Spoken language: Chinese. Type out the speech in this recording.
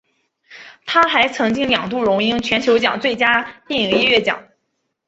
他还曾经两度荣膺金球奖最佳电影音乐奖。